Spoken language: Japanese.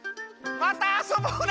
またあそぼうね！